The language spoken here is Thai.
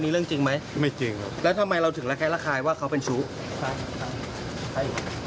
นี่เรื่องจริงไหมไม่จริงแล้วทำไมเราถึงละแคละคายว่าเขาเป็นชุภัณฑ์